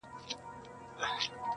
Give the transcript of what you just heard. ځان یې هسي اخته کړی په زحمت وي -